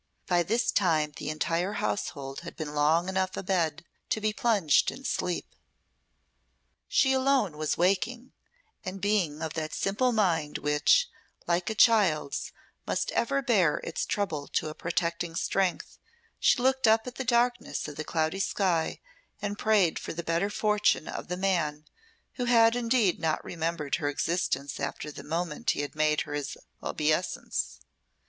By this time the entire household had been long enough abed to be plunged in sleep. She alone was waking, and being of that simple mind which, like a child's, must ever bear its trouble to a protecting strength, she looked up at the darkness of the cloudy sky and prayed for the better fortune of the man who had indeed not remembered her existence after the moment he had made her his obeisance.